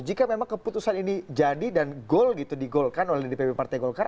jika memang keputusan ini jadi dan goal gitu digolkan oleh dpp partai golkar